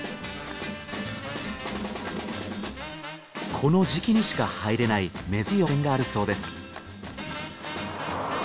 この時期にしか入れない珍しい温泉があるそうです。